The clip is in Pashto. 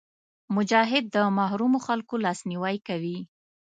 مجاهد د محرومو خلکو لاسنیوی کوي.